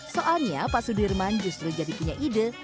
soalnya pak sudirman justru jadi punya ide